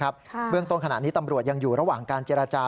เบื้องต้นขณะนี้ตำรวจยังอยู่ระหว่างการเจรจา